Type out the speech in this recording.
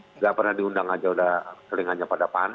tidak pernah diundang saja sudah seling saja pada klub